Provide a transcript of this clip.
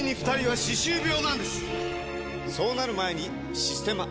そうなる前に「システマ」！